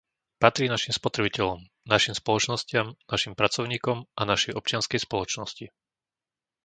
Patrí naším spotrebiteľom, naším spoločnostiam, naším pracovníkom a našej občianskej spoločnosti.